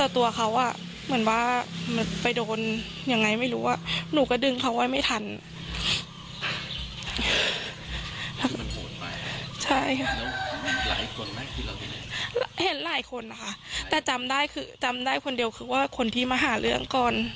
แต่จำได้คือจำได้คนเดียวคือว่าคนที่มาหาเรื่องก่อน